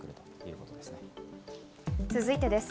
続いてです。